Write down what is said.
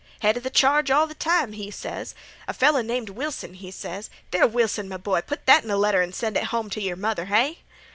'Head 'a th' charge all th' time,' he ses. 'A feller named Wilson,' he ses. There, Wilson, m'boy, put that in a letter an' send it hum t' yer mother, hay?